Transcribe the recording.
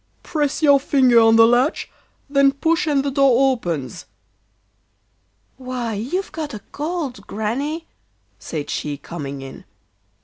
'Press your finger on the latch, then push and the door opens.' 'Why, you've got a cold, Granny,' said she, coming in.